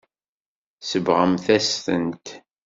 Tsebɣemt-as-tent.